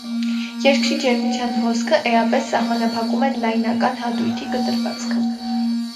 Երկրի ջերմության հոսքը էապես սահմանափակում է լայնական հատույթի կտրվածքը։